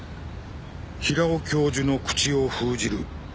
「平尾教授の口を封じる」。